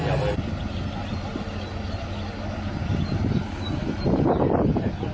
หรือว่าเกิดอะไรขึ้น